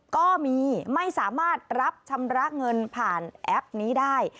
ก็มีไม่สามารถรับชำระเงินผ่านแอปนี้ได้